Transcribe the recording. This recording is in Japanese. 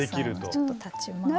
ちょっと立ちます。